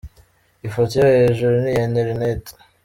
Ifoto yo hejuru ni iya Internet.